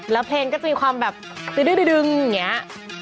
แล้วเพลงก็จะมีความแบบดื้อดึงอย่างนี้